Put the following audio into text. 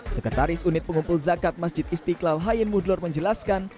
sekretaris unit pengumpul zakat masjid istiqlal hayin mudlor menjelaskan